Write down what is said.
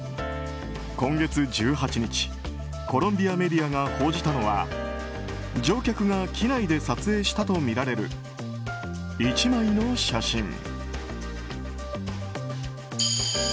今月１８日コロンビアメディアが報じたのは乗客が機内で撮影したとみられる１枚の写真。